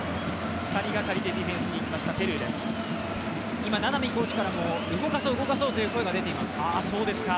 今、名波コーチからも動かそう、動かそうという声が出ています。